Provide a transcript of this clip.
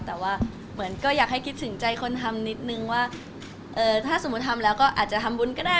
แต่ว่าเหมือนก็อยากให้คิดถึงใจคนทำนิดนึงว่าถ้าสมมุติทำแล้วก็อาจจะทำบุญก็ได้